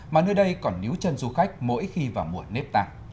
mà nơi đây còn níu chân du khách mỗi khi vào mùa nếp ta